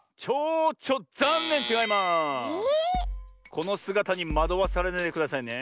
このすがたにまどわされないでくださいね。